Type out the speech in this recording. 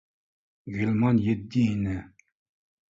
— Ғилман етди ине